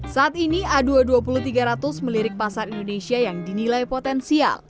saat ini a dua ratus dua puluh tiga ratus melirik pasar indonesia yang dinilai potensial